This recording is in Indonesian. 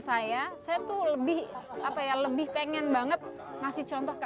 saya saya tuh lebih apa ya lebih pengen banget